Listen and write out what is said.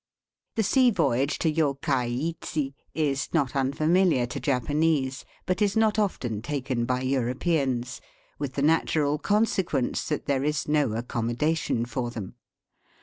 The sea voyage to Yokkaichi is not un familiar to Japanese, but is not often taken by Europeans, with the natural consequence that there is no accommodation for them.